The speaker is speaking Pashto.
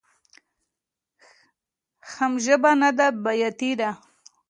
حم ژبه نده بياتي ده.